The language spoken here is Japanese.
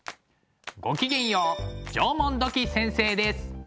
ごきげんよう縄文土器先生です。